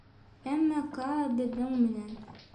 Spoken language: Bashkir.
— Әммә Каа беҙҙең менән.